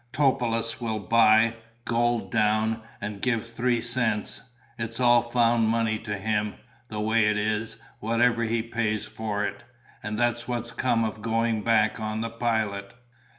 Topelius will buy, gold down, and give three cents. It's all found money to him, the way it is, whatever he pays for it. And that's what come of going back on the pilot."